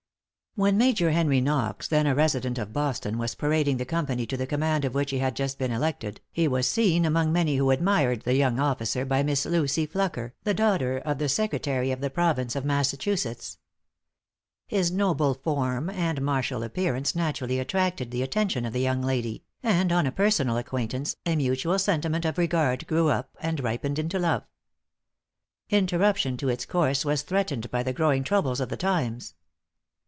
|When Major Henry Knox, then a resident of Boston, was parading the company to the command of which he had just been elected, he was seen, among many who admired the young officer, by Miss Lucy Flucker, the daughter of the Secretary of the Province of Massachusetts. His noble form and martial appearance naturally attracted the attention of the young lady; and on a personal acquaintance, a mutual sentiment of regard grew up and ripened into love. Interruption to its course was threatened by the growing troubles of the times.